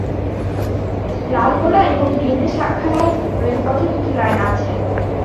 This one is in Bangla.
লালগোলা এবং গেদে শাখা লাইন রেলপথের দুটি লাইন আছে।